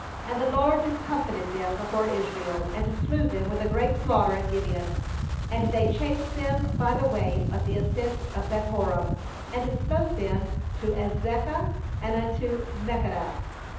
10And the LORD dis comfited them before Israel, and slew them with a great slaughter at Gibeon; and they chased them by the way of the ascent of Beth horon, and smote them to Azekah, and unto Makke dah.